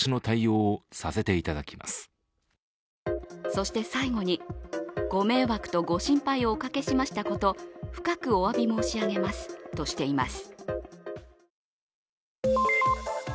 そして最後に、ご迷惑とご心配をおかけしましたこと、深くおわび申し上げますとしています。